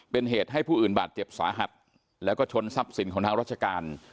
เป็นเหตุให้ผู้อื่นบาดเจ็บสาหัสแล้วก็ชนทรัพย์สินของทางราชการ